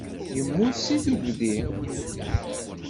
Yemmut seg tuggdi.